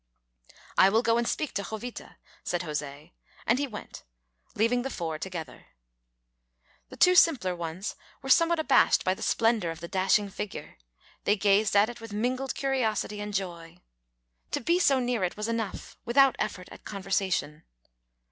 "I will go and speak to Jovita," said José, and he went, leaving the four together. The two simpler ones were somewhat abashed by the splendor of the dashing figure; they gazed at it with mingled curiosity and joy. To be so near it was enough, without effort at conversation.